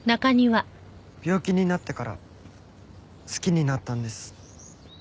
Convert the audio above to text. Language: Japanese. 病気になってから好きになったんです。